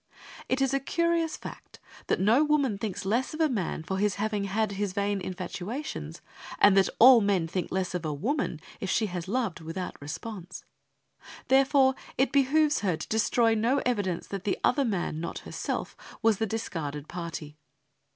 It is a curious fact that no woman thinks less of a man for his having had his vain infatuations, and that all men think less of a woman if she has loved without response. Therefore, it behoves her to destroy no evidence that the other man, not herself, was the discarded party.